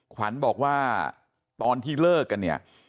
ขวัญบอกว่าตอนที่เลิกกันเนี่ย